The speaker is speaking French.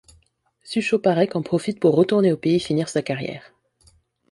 Suchopárek en profite pour retourner au pays finir sa carrière.